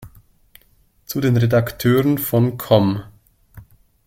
Zu den Redakteuren von "com!